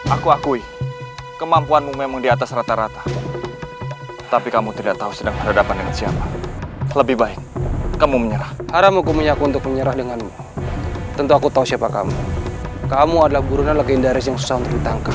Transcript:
aku akui kemampuanmu memang diatas rata rata tapi kamu tidak tahu sedang berhadapan dengan siapa lebih baik kamu menyerah haram hukumnya aku untuk menyerah denganmu tentu aku tahu siapa kamu kamu adalah buruna lagi indah resing sound ditangkap